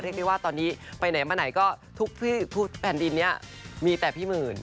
ได้ว่าตอนนี้ไปไหนมาไหนก็ทุกแผ่นดินนี้มีแต่พี่หมื่น